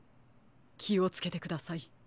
きをつけてください。